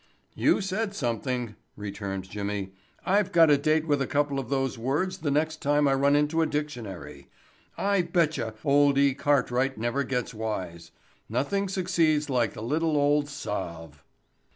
"You said something," returned Jimmy. "I've got a date with a couple of those words the next time I run into a dictionary. I betcha old E. Cartwright never gets wise. Nothing succeeds like the little old salve."